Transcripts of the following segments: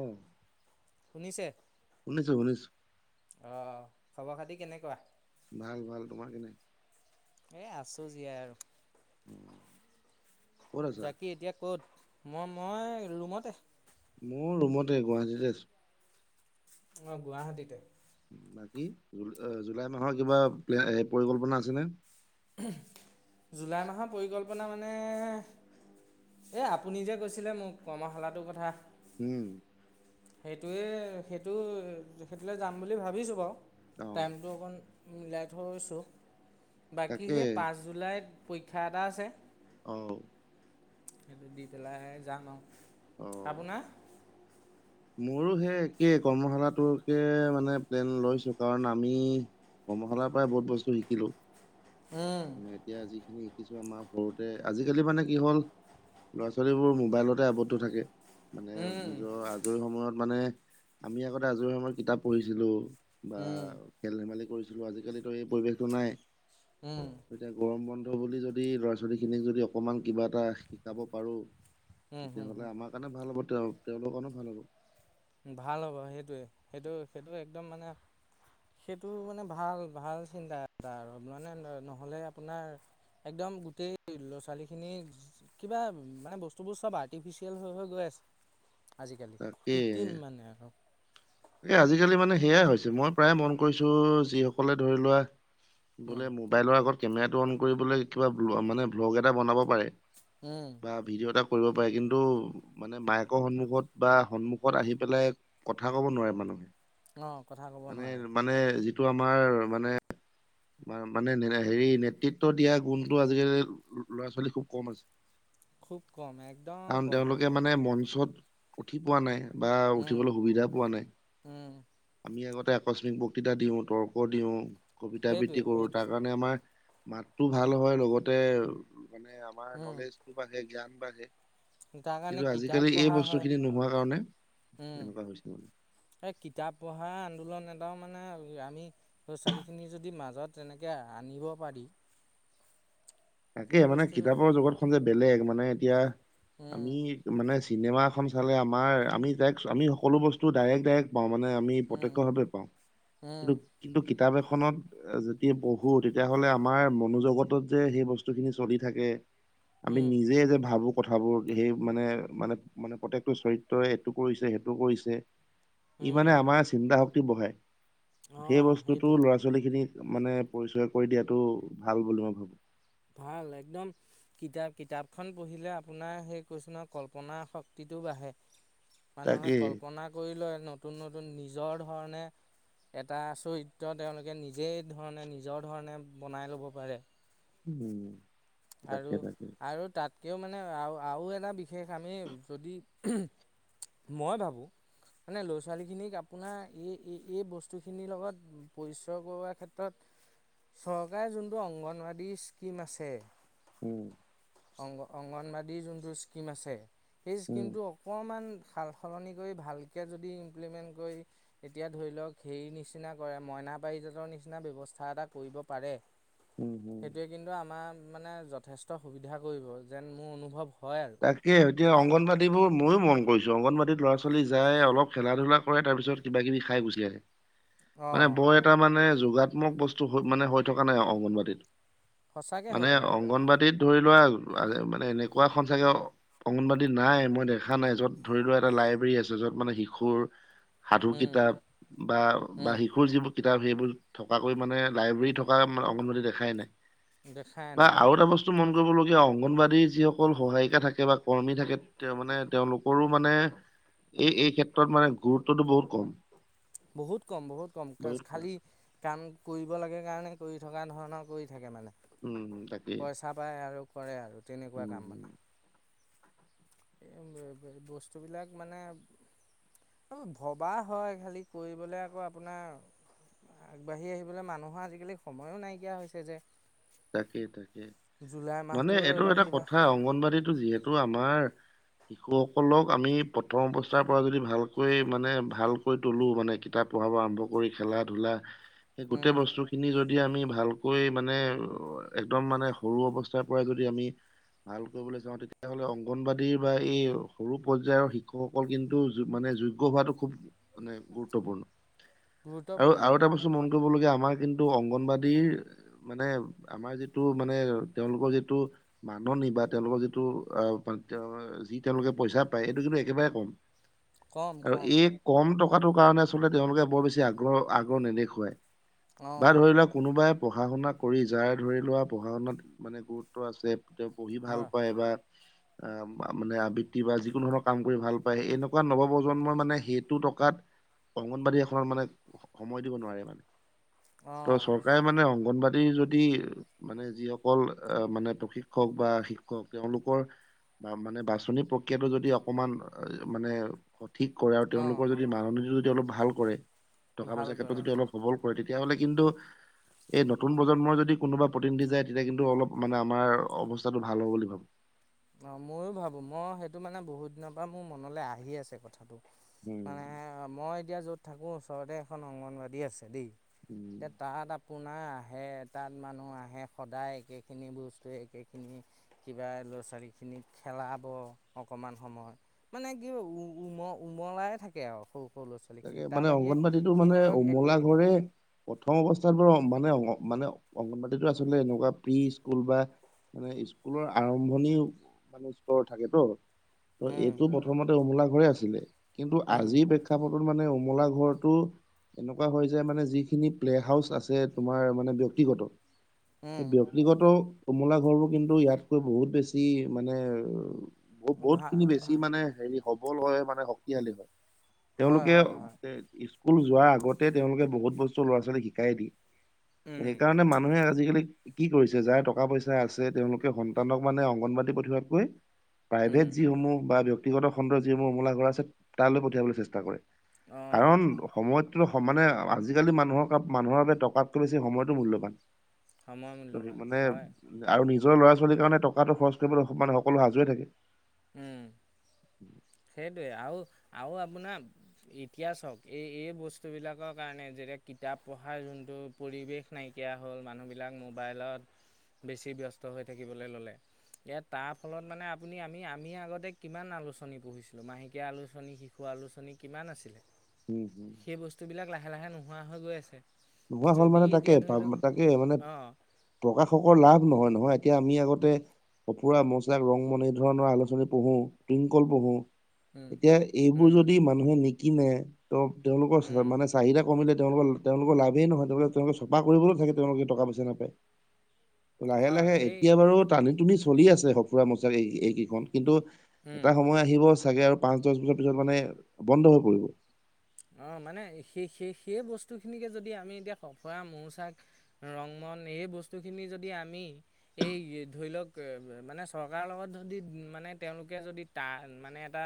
অ শুনিছে শুনিছো শুনিছো অ'। খবৰ, খাতি কেনেকুৱা? ভাল, ভাল, তোমাৰ কেনে? এ আছো জিয়াই আৰু। অ ক'ত আছা জাকি এতিয়া ক'ত? মই মই ৰুমতে মোৰ ৰুমতে গুৱাহাটীতে আছো। অ', গুৱাহাটীতে বাকী জুলাই মাহৰ কিবা প্লে পৰিকল্পনা আছেনে? জুলাই মাহৰ পৰিকল্পনা মানে, এই আপুনি যে কৈছিলে মোক কৰ্মশালাটোৰ কথা। উম। সেইটোৱে সেইটো সেইটো [unintelligible] যাম বুলি ভাবিছো বাৰু। অ টাইমটো অকন মিলাই থৈছোঁ। বাকী তাকে সেই পাঁচ জুলাইত পৰীক্ষা এটা আছে। অ'। সেইটো দি পেলাই যাম আৰু। অ'। আপোনাৰ মোৰো সেই একেই কৰ্মশালাটোকে মানে প্লেন লৈছো কাৰণ আমি কৰ্মশালাৰ পৰাই বহুত বস্তু শিকিলো। উম ন এতিয়া যিখিনি কিছু আমাৰ সৰুতে আজিকালি মানে কি হ'ল ল'ৰা-ছোৱালীবোৰ মোবাইলতে আৱদ্ধ থাকে। মানে উম নিজৰ আজৰি সময়ত মানে আমি আগতে আজৰি সময়ত কিতাপ পঢ়িছিলো। বা উম খেল-ধেমালি কৰিছ ছিলো আজিকালিটো এই পৰিৱেশটো নাই। উম এতিয়া গৰম বন বুলি যদি ল'ৰা-ছোৱালীখিনিক যদি অকণমান কিবা এটা শিকাব পাৰোঁ। উম উম উম। তেতিয়াহ'লে আমাৰ কাৰণে ভাল হ'ব। তেওঁ তেওঁলোকৰ কাৰণেও ভাল হ'ব। ভাল হ'ব সেইটোৱে, সেইটো, সেইটো একদম মানে সেইটো মানে ভাল, ভাল চিন্তা এটা আৰু মানে নহ'লে আপোনাৰ একদম গোটেই ল'ৰা ছোৱালীখিনি কিবা মানে বস্তুবোৰ চব আৰ্টিফিচিয়েল হৈ, হৈ গৈ আছে। আজিকালি কি এ আজিকালি মানে সেইয়াই হৈছে মই প্ৰায় মন কৰিছো যিসকলে ধৰি লোৱা উম বোলে মোবাইলৰ আগত কেমেৰাটো অন কৰিবলে কিবা মানে, ব্লগ এটা বনাব পাৰে। উম বা ভিডিঅ' এটা কৰিব পাৰে কিন্তু মানে মাইকৰ সন্মুখত বা সন্মুখত আহি পেলাই কথা ক'ব নোৱাৰে মানুহে। অঁ কথা ক'ব মানে নোৱাৰে মানে যিটো এইটো আমাৰ মানে। মানে হেৰি নেতৃত্ব দিয়া গুণটো আজিকালি ল'ৰা ছোৱালী খুব কম আছে। খুব কম একদম কাৰণ কম তেওঁলোকে মানে মঞ্চত। উঠি পোৱা নাই। বা উম উঠিবলৈ সুবিধা পোৱা নাই। উম আমি আগত আকস্মিক বক্তৃতা দিওঁ, তৰ্ক দিওঁ। কবিতা সেইটোৱে আবৃত্তি কৰো তাৰ সেইটোৱে কাৰণে আমাৰ। মাতটো ভাল হয় লগতে। মানে আমাৰ উম নলেজতো বাঢ়ে জ্ঞান। বাঢ়ে। তাৰ কাৰণে কিন্তু কিতাপ আজিকালি এই পঢ়া হয়। বস্তুখিনি নোহোৱা কাৰণে উম', এনেকুৱা হৈছে মানে এই কিতাপ পঢ়া -এটাও মানে আমি ল'ৰা ছোৱালীখিনি যদি মাজত তেনেকে আনিব পাৰি। তাকে সেই মানে বস্তুটো কিতাপৰ জগত খন যে বেলেগ মা মানে এতিয়া। উম আমি মানে চিনেমা এখন চালে আমাৰ আমি ডাইৰেক্ট আমি সকলো বস্তু ডাইৰেক্ট- ডাইৰেক্ট পাওঁ মানে আমি উম প্ৰতক্ষ্য ভাৱে পাওঁ কিন্তু- উম কিন্তু কিতাপ এখনত। যেতিয়া পঢ়ো তেতিয়াহ'লে আমাৰ মনোজগতত যে সেই বস্তু। বস্তুখিনি চলি থাকে। আমি উম নিজে যে ভাবো। কথাবোৰ সেই মানে- মানে - মানে প্ৰত্যেকটো চৰিত্ৰই এইটো কৰিছে সেইটো কৰিছে। ই উম মানে আমাৰ চিন্তা ভ বহায় সেই অঁ বস্তুতটো সেইটোৱে ল'ৰা ছোৱালী খিনি মানে পৰিচয় কৰি দিয়াটো ভাল বুলি মই ভাবো। ভাল একদম কিতাপ কিতাপখন পঢ়িলে আপোনাৰ সেই কৈছে ন কল্পনাাৰ শক্তিটো বাঢ়ে। মানুহে তাকে কল্পনা কৰি লয়নো। নতুন - নতুন নিজৰ ধৰণে এটা চৰিত্ৰ তেওঁলোকে নিজেই ধৰণে নিজৰ ধৰণে বনাই ল'ব পাৰে। উম', তাকে আৰু- তাকে আৰু তাত? কিয় মানে আৰু আৰু এটা বিশেষ আমি যদি মই ভাবোঁ মানে ল'ৰা ছোৱালীখিনিক আপোনাৰ এই এই- এই বস্তুখিনিৰ লগত পৰিচয় কৰোৱাৰ ক্ষেত্ৰত চৰকাৰে যোনটো অংগনবডাদী স্কিম আছে। উম', অংগ - অংগনবাদী যোনটো স্কীম আছে। সেই উম, স্কীমটো অকণমান। সাল সলনি কৰি ভালকৈ যদি ইমপ্লিমেণ্ট কৰি এতিয়া ধৰি লওক হেৰি নিচিনা কৰে মইনা পাৰিজাতৰ নিচিনা ব্যৱস্থা এটা কৰিব পাৰে। উম, উম। সেইটোৱে কিন্তু আমাৰ। মানে যথেষ্ট সুবিধা কৰিব যেন মোৰ অনুভৱ হয় আৰু তাকে এতিয়া অংগনবাদী বোৰ ময়ো মন কৰিছো অংগনবাদীত ল'ৰা ছোৱালী যায় অলপ খেলা ধূলা কৰে তাৰপিছত কিবা কিবি খাই গুচি আহে। মানে অঁ বৰ এটা মানে যোগাত্মক বস্তু মানে হৈ থকা নাই অংগনবাদীতো। সঁচাকৈ হৈ মানে থকা নাই অংগনবদীত ধৰি লোৱা মানে এনেকুৱা এখন চাগে অংগনবাদী নাই মই দেখা নাই য'ত ধৰি লোৱা এটা লাইব্ৰেৰী আছে য'ত মানে শিশুৰ সাধু কিতাপ বা বা শিশুৰ যিবোৰ কিতাপ সেইবোৰ থকাকৈ মানে লাইব্ৰেৰী থকা মানে অংগবাদী দেখাই নাই। বা দেখায়েনাই আৰু এটা বস্তু মন কৰিবলগীয়া অংগনবাদীয়ে [unintelligible] অকল সহায়িকা থাকে বা কৰ্মী থাকে তেওঁ মানে তেওঁলোকৰো মানে এই এই ক্ষেত্ৰত মানে গুৰুত্বটো বহুত কম। বহুত কম বহুত কম বহুত কম খালী কাম কৰিব লাগে কাৰণে কৰি থকা ধৰণৰ কৰি থাকে মানে। উম তাকেই পইচা পায় আৰু কৰে আৰু তেনেকুৱা উম কাম হম মানে। এই বস্তুবিলাক মানে ভবা হয় খালী কৰিবলৈ আকৌ আপোনাৰ আগবাঢ়ি আহিবলৈ মানুহৰ আজিকালি সময়ো নাইকিয়া হৈছে যে। তাকে তাকে জুলাই মানে মাহটোৱে এইটো অলপ এটা কিবা কথা অংগনবাদীতো যিহেতু এইটো আমাৰ শিশুসকলক আমি প্ৰথম অৱস্থাৰ পৰা যদি ভালকৈ মানে ভালকৈ তলো মানে কিতাপ পঢ়া আৰম্ভ কৰি খেলা ধূলা সেই গোটেই উম বস্তু খিনি যদি যদি আমি ভালকৈ মানে একদম মানে সৰু অৱস্থাৰ পৰা যদি আমি ভাল কৰিবলৈ চাওঁ তেতিয়া হ'লে অংগনবাদীৰ বা এই সৰু পৰ্যায়ৰ শিক্ষকসকল কিন্তু মানে যোগ্য হোৱাটো খুব মানে গুৰুত্বপূৰ্ণ। আৰু আৰু গুৰুত্বপূৰ্ণটো এটা বস্তু মন কৰিব লগীয়া আমাৰ কিন্তু অংগনবাদীৰ মানে আমাৰ যিটো মানে তেওঁলোকৰ যিটো মাননি বা তেওঁলোকৰ যিটো আহ তেওঁ যি তেওঁলোকে পইচা পায় এইটো কিন্তু একেবাৰে কম। কম আৰু কম এই কম টকা সেইটো কাৰণে আচলতে তেওঁলোকে বৰ বেছি আগ্ৰহ আগ্ৰহ নেদেখুৱায়। বা অঁ ধৰি লোৱা কোনোবাই পঢ়া শুনা কৰি যাৰ ধৰি লোৱা পঢ়া শুনাত মানে গুৰুত্ব আছে পঢ়ি ভাল হয় পায় বা আহ মানে আবৃত্তি বা যিকোনো ধৰণৰ কাম কৰি ভাল পায় এনেকুৱা নৱপ্ৰজন্মই মানে সেইটো টকাত অংগনবাদী এখনত মানে সময় দিব নোৱাৰে মানে। ত অঁ চৰকাৰে মানে অংগনবাদী [inaudible] যদি মানে যিসকল আহ মানে প্ৰশিক্ষক বা শিক্ষক তেওঁলোকৰ বা মানে বাচনি প্ৰক্ৰিয়াটো যদি অকমান মানে ঠিক কৰা আৰু অঁ তেওঁলোকৰ যদি [unintelligible] তেওঁ অলপ ভাল কৰে। টকা ভাল পইচাৰ ক্ষেত্ৰত কৰে যদি অলপ সবল কৰে তেতিয়া। তেতিয়াহ'লে কিন্তু এই নতুন প্ৰজন্মৰ যদি কোনোবা প্ৰতিনিধি যায় তেতিয়া কিন্তু অলপ মানে আমাৰ অৱস্থাটো ভাল হ'ব বুলি ভাবো। অ মইয়ো ভাবো মই সেইটো মানে বহুত দিনৰ পৰা মোৰ মনলৈ আহি আছে কথাটো। মানে উম, মই এতিয়া য'ত থাকো ওচৰতে এখন অংগনবাাদ়ী আছে দেই। উম। তে তাহ আপোনাৰ আহে তাত মানুহ আহে সদায় একেখিনি বস্তু একেখিনি কিবা ল চাৰীখিনিত খেলাব অকণমান সময় মানে কি উম উমলাই থাকে আৰু সৰু ল'ৰা তাকে ছোৱালীখিনিক তাৰ মানে বাহিৰে অংগনবাদীতো মানে সিহঁতক একো উমলা নিদিয়ে ঘৰে প্ৰথম অৱস্থাত তো মানে অ মানে অংগনবডাদীতো আচলতে এনেকুৱা প্ৰি স্কুল বা মানে স্কুলৰ আৰম্ভণি মানে স্তৰ থাকে তো, ত উম এইটো প্ৰথমতে অমোলাক হৈ আছিলে। কিন্তু উম আজি-' মানে উমলা ঘৰতটো এনেকুৱা হয় যে মানে যিখিনি প্লে হাউচ আছে তোমাৰ মানে ব্যক্তিগত, সে উম ব্যক্তিগত কমলা ঘৰবোৰ কিন্তু ইয়াতকৈ বহুত বেছি মানে বহ বহুত ভা খিনি বেছি ভা মানে হেৰি সবল হয় মানে শক্তিশালী হয়। হয় তেওঁলোকে হয় হয় [unintelligible] কুল যোৱাৰ আগত তে তেওঁলে বহুত বস্তু ল'ৰা-ছোৱালী শিক কাই দি উম সেইকাৰণে মানুহে আজিকালি কি কৰিছে যাৰ টকা পইচা আছে তেওঁলোকে সন্তানক মানে অংগনবাদী পঠোৱাতকৈ প্ৰাইভেট উম যিসমূহ বা ব্য ক্তিগত খণ্ডৰ যিসমূহ উমলাঘৰ আছে তালৈ পঠিয়াবলৈ চেষ্ট টা কৰে। অঁ কাৰণ সময়ত তোৰ সমানে আজিকালি মানুহৰ মানুহৰ বাবে টকাতকৈ বেছি সময়তো মূল্যবান সময় মূল্যৱান মানে হয় আৰু নিজ নিজৰ ল'ৰা-ছোৱালীৰ কাৰণে টকাটো খৰচ কৰিবলৈ সমান সকলো সাজুৱে থাকে। উম। [inaudible] সেইটোৱে আৰু আৰু, আপোনাৰ ইতিয়া চাওক এই এই বস্তুবিলাকৰ কাৰণে যেতিয়া কিতাপ পঢ়াৰ যোনটো পৰিৱেশ নাইকিয়া হ'ল, মানুহবিলাক মোবাইলত বেছি ব্যস্ত হৈ থাকিবলৈ ল'লে এ তাৰ ফলত মানে আপুনি আমি আমি আগতে কিমান আলোচনী পঢিছিলোঁ মাহেকীয়া আলোচনী, শিশু আলোচনী, কিমান আছিলে উম হুম। সেই বস্তুবিলাক লাহে লাহে নোহোৱা হৈ গৈ আছে। নোহোৱা হ'ল যদি মানে তাকে, এতিয়া ধৰি লওক তাকে, মানে অঁ প্ৰকাশকৰ লাভ নহয় নহয়। এতিয়া আমি আগতে কঁফুৰা মচাক ৰং মন এই ধৰণৰ আলোচনী পঢ়ো, টুিংকলল পঢ়ো উম এতিয়া এইবোৰ উম যদি মানুহে কি মই ত তেওঁলোকৰ উম মানে চাহিদা কমি তেওঁলোকৰ তেওঁলোকৰ লা স নহয়লে তেওঁলোকে চফা কৰিবলৈ থাকে তেওঁলোকে টকা পইচা নাপায়। লাহে হয় লাহে সেই এতিয়া বাৰু টানি টুনি চলি আছে [unintelligible] এইকেইখন কিন্তু উম এটা সময় আহিব চাগে আৰু পাঁচ দহ বছৰ পিছত মানে বন্ধ হৈ পৰিব। অ' মানে সেই সেই সেই বস্তুখিনিকে যদি আমি এতিয়া কফৰা মৌচাক, ৰংমন এই বস্তুখিনি যদি আমি এই ধৰি লওক মানে চৰকাৰৰ লগত যদি মানে তেওঁলোকে যদি ত মানে এটা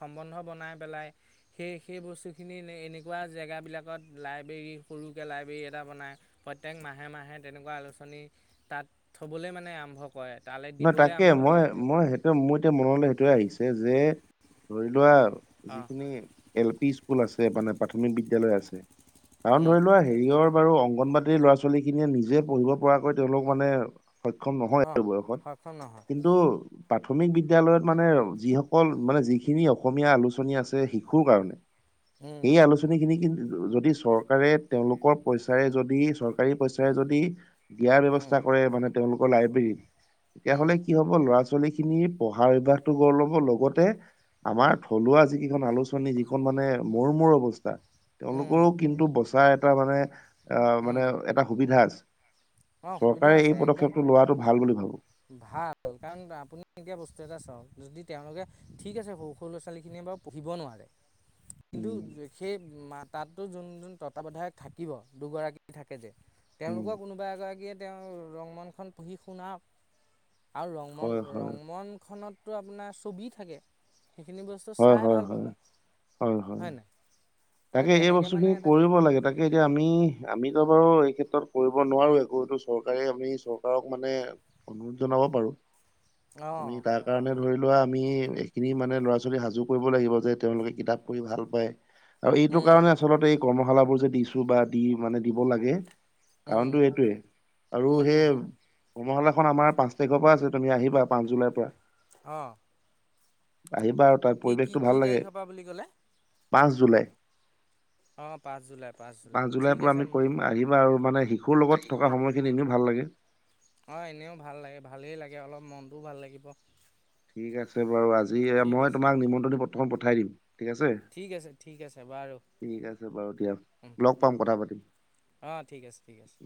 সম্বন্ধ বনাই পেলাই সেই সেই বস্তুখিনি এনেকুৱা জেগা বিলাকত লাইব্ৰেৰী, সৰুকৈ লাইব্ৰেৰী, এটা বনায় প্ৰত্যেক মাহে মাহে তেনেকুৱা আলোচনী, তাত থ'বলৈ মানে আৰম্ভ কৰে তালৈ নহয় দিবলৈ তাকে আৰম্ভ মই কৰে তে- মই সেইটো মোৰ এতিয়া মনলৈ সেইটোয়ে আহিছে যে ধৰি লোৱা অঁ যিখিনি এল পি স্কুল আছে মানে প্ৰাথমিক বিদ্য়ালয় আছে। কাৰণ উম, ধৰি লোৱা হেৰিয়ৰ বাৰু অং অংণবাদিৰ ল'ৰা ছোৱালী খিনিয়ে নিজে পঢ়িব পৰাকৈ তেওঁলোক মানে সক্ষ্যম নহয় অঁ এইটো বয়সত। সক্ষম নহয়। কিন্তু প্ৰাথমিক বিদ্য়ালয়ত মানে যিসকল মানে যিখিনি অসমীয়া আলোচনী আছে শিশুৰ কাৰণে উম, সেই আলোচনী খিনি কিন্তু যদি চৰকাৰে তেওঁলোকৰ পইচাৰে যদি চৰকাৰী পইচাৰে যদি দিয়াৰ উম, ব্যবস্তা কৰে মানে তেওঁলোকৰ লাইব্ৰেৰীত। এয়া উম। হ'লে কি হ'ব ল'ৰা-ছোৱালী খিনি পঢ়া অভ্যাসটো গঢ় ল'ব লগতে আমাৰ থলুৱা যি কেইখন আলোচনী যিখন মানে মূৰ মূৰ অৱস্থা তেওঁলোকৰো উম, কিন্তু বচাই এট টা মানে অ', মানে উম, এটা সুবিধা আছে। অ', সুবিধা চৰকাৰে এই আছে একদম পদক্ষেপটো লোৱাটো ভাল বুলি ভাবো। ভাল কাৰণ আপুনি এতিয়া বস্তু এটা চাওক, যদি তেওঁলোকে ঠিক আছে সৰু সৰু ল'ৰা ছোৱালীখিনিয়ে বাৰু পঢ়িব নোৱাৰে। কিন্তু উম সেই মাত তাতো যোন যোন তত্বাৱধায়ক থাকিব দুগৰাকী থাকে যে উম তেওঁলোকৰ কোনো থাকিয়ে তেওঁ ৰংমনখন পঢ়ি শুনা আৰু ৰংমন, হয় হয় ৰংমনখনত তো আপোনাৰ ছবি থাকে। সেইখিনি বস্তু হয়- চাই ভাল হয়- পাব হয়-হয়-হয় হয় নাই সেই তাকে এই তেনেকে বস্তু মানে খিনি এটা কৰিব লাগে তাকে এতিয়া আমি আমি ইটা বাৰু এই ক্ষেত্ৰত কৰিব নোৱাৰো একো চৰকাৰে আমি চৰকাৰক মানে অনুৰোধ জনাব পাৰো। আমি অ', তাৰ কাৰণে ধৰি লোৱা আমি এইখিনি মানে ল'ৰা-ছোৱালী সাজু কৰিব লাগিব যে তেওঁলোকে কিতাপ পঢ়ি ভাল পায়। আৰু এইটো উম, কাৰণে আচলতে কৰ্মশালা বোৰ যে দিছো বা দি মানে দিব লাগে। উম, কাৰণটো এইটোৱে আৰু উম, হুম, সেই হুম, কমশালা খন আমাৰ পাঁচ তাৰিখৰ পৰা আছে তুমি আহিবা পাঁচ জুলাইৰ পৰা অ' আহিবা। তাত কি-কি- পৰিৱেশটো ভাল কি লাগে তাৰিখৰ পৰা বুলি ক'লে পাঁচ জুলাই। অঁ পাঁচ জুলাই পাঁচ জুলাই জুলাইৰ ঠিক পৰা আছে আমি কৰিম আহিবা আৰু মানে শিশুৰ লগত থকা সময়খিনি এনেও ভাল লাগে। অ' এনেও ভাল লাগে, ভালেই লাগে অলপ মনটোও ভাল লাগিব। ঠিক আছে বাৰু আজি। যি ঠিক মই আছে তোমাক নিমন্ত্ৰণি পত্ৰ। তোমাক পঠাই দিম। ঠিক আছে ঠিক আছে, ঠিক আছে বাৰু ঠিক আছে বাৰু দিয়া। লগ উম-উম পাম কথা পাতিম। অ' ঠিক আছে ঠিক আছে।